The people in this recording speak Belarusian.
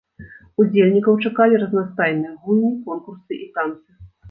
Удзельнікаў чакалі разнастайныя гульні, конкурсы і танцы.